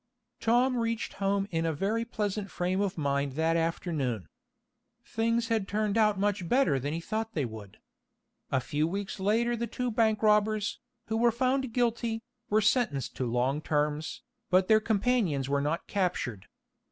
Tom reached home in a very pleasant frame of mind that afternoon. Things had turned out much better than he thought they would. A few weeks later the two bank robbers, who were found guilty, were sentenced to long terms, but their companions were not captured.